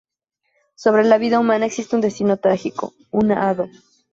Sobre la vida humana existe un destino trágico, un hado.